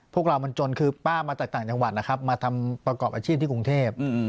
พวกเรามันจนคือป้ามาจากต่างจังหวัดนะครับมาทำประกอบอาชีพที่กรุงเทพ